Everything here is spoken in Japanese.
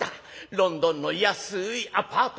ロンドンの安いアパート